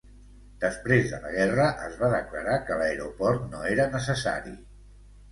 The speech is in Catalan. Després de la guerra, es va declarar que l'aeroport no era necessari.